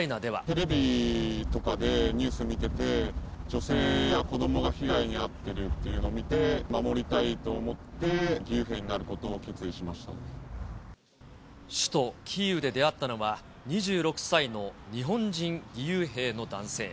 テレビとかでニュース見てて、女性や子どもが被害に遭ってるっていうの見て、守りたいと思って首都キーウで出会ったのは、２６歳の日本人義勇兵の男性。